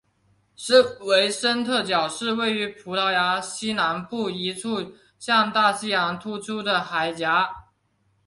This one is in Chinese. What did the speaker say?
圣维森特角是位于葡萄牙西南部一处向大西洋突出的海岬。